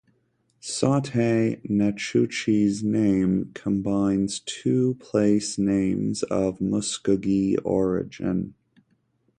Sautee Nacoochee's name combines two place names of Muscogee origin.